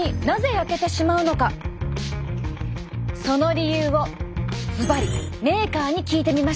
その理由をズバリメーカーに聞いてみました。